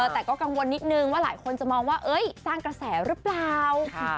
แต่ก็กังวลนิดนึงว่าหลายคนจะมองว่าสร้างกระแสหรือเปล่า